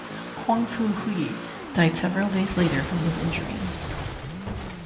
Huangfu Hui died several days later from his injuries.